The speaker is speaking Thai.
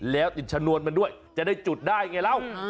แล้วติดชนวนไปด้วยจะได้จุดได้ไงแล้ว